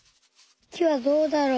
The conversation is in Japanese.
木はどうだろう？